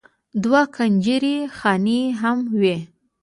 دوه کنجرې خانې هم وې.